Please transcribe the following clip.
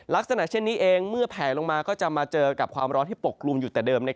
ลักษณะเช่นนี้เองเมื่อแผลลงมาก็จะมาเจอกับความร้อนที่ปกลุ่มอยู่แต่เดิม